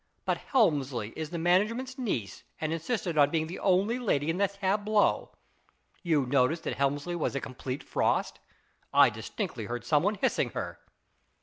But Helmsley is the management's niece, and insisted on being the only lady in the tableau. You noticed that Helmsley was a complete frost ? I distinctly heard some one hissing her."